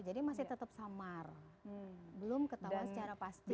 jadi masih tetap samar belum ketahuan secara pasti